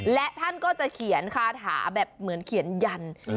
และท่านก็จะเขียนคาถาแบบเหมือนเขียนยัน